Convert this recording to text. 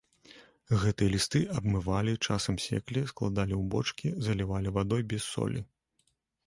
Гэтыя лісты абмывалі, часам секлі, складалі ў бочкі, залівалі вадой без солі.